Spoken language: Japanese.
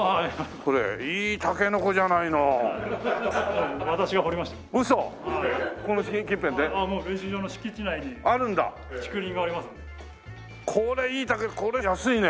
これいいタケノコこれ安いね。